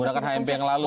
menggunakan hmp yang lalu